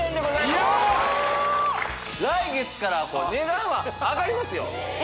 よっ来月から値段は上がりますよえ